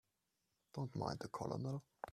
Don't mind the Colonel.